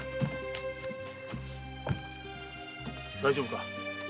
大丈夫か？